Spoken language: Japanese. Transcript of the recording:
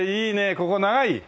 ここ長い？